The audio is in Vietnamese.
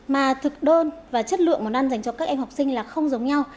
mà thực đơn và chất lượng món ăn dành cho các em học sinh là không đúng